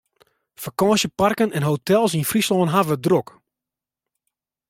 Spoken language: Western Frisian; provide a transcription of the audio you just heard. Fakânsjeparken en hotels yn Fryslân hawwe it drok.